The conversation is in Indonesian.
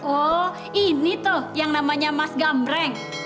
oh ini tuh yang namanya mas gambreng